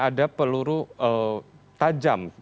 ada peluru tajam